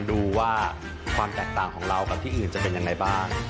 ดูว่าความแตกต่างของเรากับที่อื่นจะเป็นยังไงบ้าง